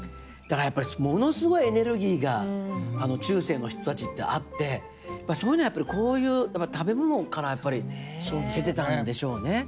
だからやっぱりものすごいエネルギーが中世の人たちってあってそういうのやっぱりこういう食べ物から得てたんでしょうね。